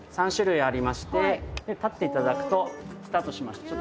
３種類ありまして立って頂くとスタートします。